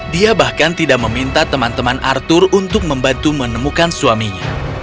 dia bahkan tidak meminta teman teman arthur untuk membantu menemukan suaminya